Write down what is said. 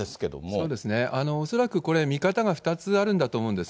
そうですね、恐らくこれ、見方が２つあるんだと思うんです。